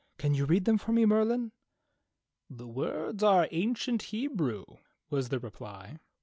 Can you read them for me. Merlin.?^" "The words are ancient Hebrew," was the reply.